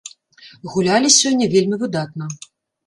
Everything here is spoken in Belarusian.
Гулялі сёння вельмі выдатна.